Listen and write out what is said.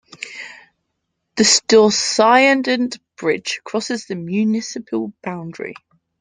The Storseisundet Bridge crosses the municipal boundary.